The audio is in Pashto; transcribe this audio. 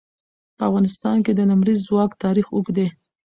په افغانستان کې د لمریز ځواک تاریخ اوږد دی.